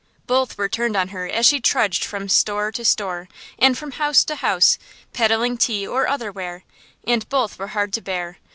Both were turned on her as she trudged from store to store, and from house to house, peddling tea or other ware; and both were hard to bear.